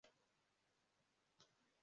Umunyezamu mumurima wumuhondo arinda intego